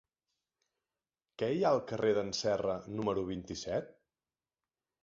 Què hi ha al carrer d'en Serra número vint-i-set?